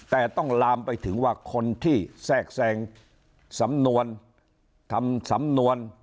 แต่ต้องลามไปถึงว่าคนที่แทรกแทรงสำนวนทำสำนวน